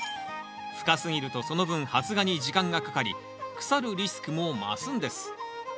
深すぎるとその分発芽に時間がかかり腐るリスクも増すんです。